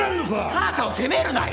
母さんを責めるなよ！